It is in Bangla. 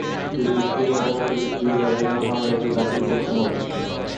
যদি স্ত্রী হয়, তাহলে তাদের বিয়ের কাবিননামা আদালতে দাখিল করতে হবে।